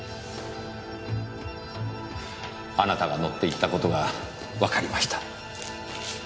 あなたが乗っていった事がわかりました。